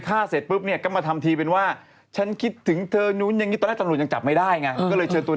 พอรู้ทราบว่าแฟนตัวเองเสียชีวิต